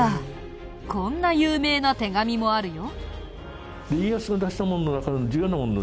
こんな有名な手紙もあるよ。